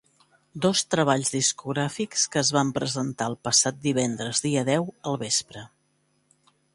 Dos treballs discogràfics que es van presentar el passat divendres dia deu, al vespre.